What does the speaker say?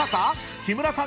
［木村さん